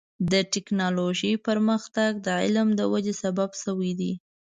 د ټکنالوجۍ پرمختګ د علم د ودې سبب شوی دی.